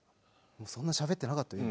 そんなしゃべってなかったよ